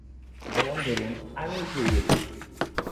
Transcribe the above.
যেমন ধরুন, আমিই সেই ব্যক্তি।